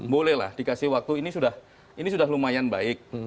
bolehlah dikasih waktu ini sudah ini sudah lumayan baik